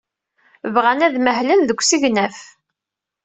Bɣan ad mahlen deg usegnaf.